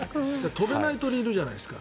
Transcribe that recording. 飛べない鳥いるじゃないですか。